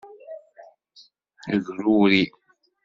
Gruri.